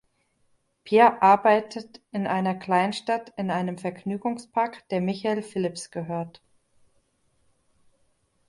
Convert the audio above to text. Pierre arbeitet in einer Kleinstadt in einem Vergnügungspark, der Michael Philipps gehört.